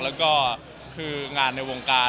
แล้วก็คืองานในวงการ